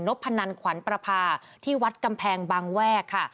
พนันขวัญประพาที่วัดกำแพงบางแวกค่ะ